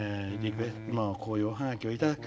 こういうおハガキを頂き。